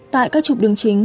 tại các trục đường chính